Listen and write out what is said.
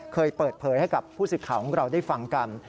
เคยเปิดเผยให้กับผู้สิทธิ์ข่าวของเราได้ฟังกัน